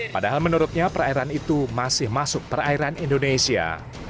padahal menurutnya perairan itu masih masuk perairan indonesia